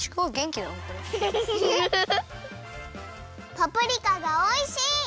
パプリカがおいしい！